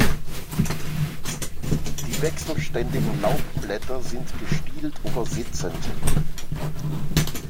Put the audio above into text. Die wechselständigen Laubblätter sind gestielt oder sitzend.